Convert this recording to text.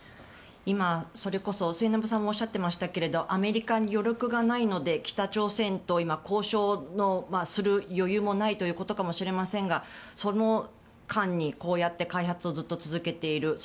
今それこそ末延さんもおっしゃってましたけどアメリカに余力がないので北朝鮮と今、交渉する余裕もないということかもしれませんがその間にこうやって開発をずっと続けている。